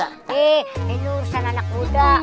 ini urusan anak muda